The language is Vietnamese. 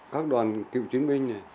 các đoàn cựu chiến binh này